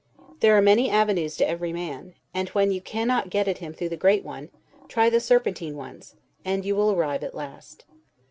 There are many avenues to every man; and when you cannot get at him through the great one, try the serpentine ones, and you will arrive at last.